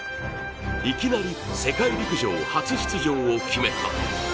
いきなり世界陸上初出場を決めた。